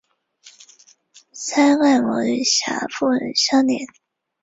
腮盖膜与峡部相连。